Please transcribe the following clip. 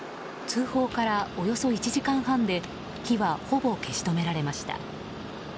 通報からおよそ１時間半で火はほぼ消し止められました。